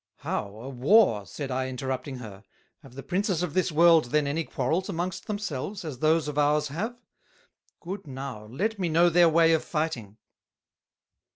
"How, a War," said I interrupting her, "have the Princes of this World, then, any quarrels amongst themselves, as those of ours have? Good now, let me know their way of Fighting."